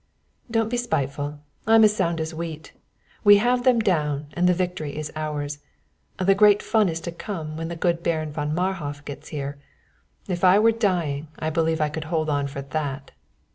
"Don't be spiteful! I'm as sound as wheat. We have them down and the victory is ours. The great fun is to come when the good Baron von Marhof gets here. If I were dying I believe I could hold on for that."